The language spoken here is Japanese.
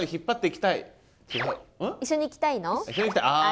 一緒に行きたいあ。